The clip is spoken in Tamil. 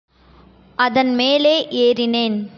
அதன் மேலே ஏறினேன்.